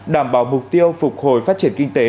đảm bảo mục tiêu phục hồi phát triển kinh tế